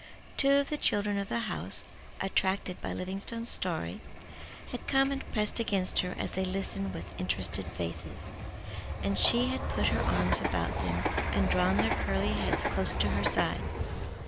Two of the children of the house, attracted by Livingstone's story, had come and pressed against her as they listened with interested faces, and she had put her arms about them and drawn their curly heads close to her side.